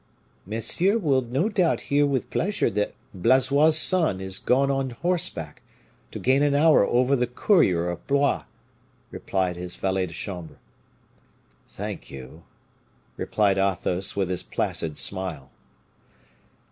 "Monsieur will no doubt hear with pleasure that Blaisois's son is gone on horseback, to gain an hour over the courier of Blois," replied his valet de chambre. "Thank you," replied Athos, with his placid smile.